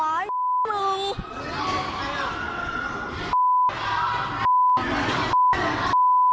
ไอ้มึง